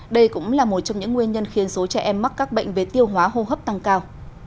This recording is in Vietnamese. đây cũng là một trong những nguyên nhân khiến số trẻ em mắc các bệnh về tiêu hóa hô hấp tăng cao